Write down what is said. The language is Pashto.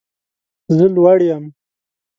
زه لوړ یم